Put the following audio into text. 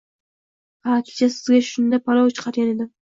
– Ha. Kecha sizga shunda palov chiqargan edim.